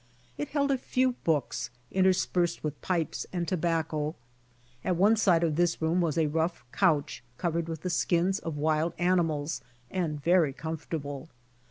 It held a few books, interspersed with pipes and tobacco. At one side of this room was a rough couch covered with the skins of wild animals and very comfortable.